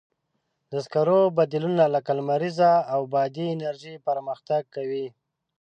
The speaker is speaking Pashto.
د سکرو بدیلونه لکه لمریزه او بادي انرژي پرمختګ کوي.